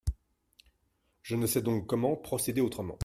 Je ne sais donc comment procéder autrement.